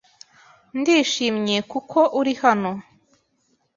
Ndishimye kuko uri hano.